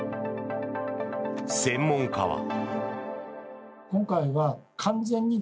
専門家は。